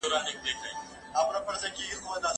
ښځې فکر وکړ چې خاوند يې وغورځېد.